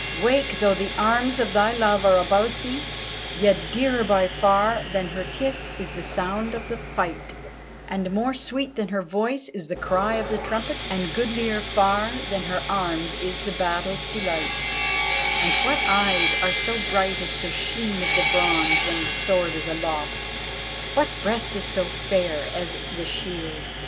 wake! though the arms of thy Love are about thee, yet dearer by far Than her kiss is the sound of the fight; And more sweet than her voice is the cry of the trumpet, and goodlier far Than her arms is the battle's delight: And what eyes are so bright as the sheen of the bronze when the sword is aloft, What breast is so fair as the shield?